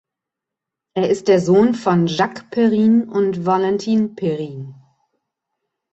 Er ist der Sohn von Jacques Perrin und Valentine Perrin.